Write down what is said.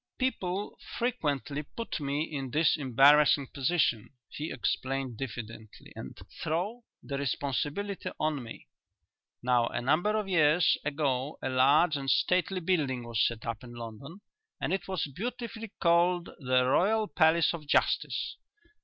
"People frequently put me in this embarrassing position," he explained diffidently, "and throw the responsibility on me. Now a number of years ago a large and stately building was set up in London and it was beautifully called 'The Royal Palace of Justice.'